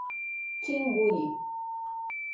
Timburi